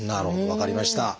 分かりました。